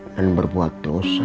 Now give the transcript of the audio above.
dan berbuat dosa